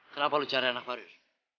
kenapa lu cari anak karir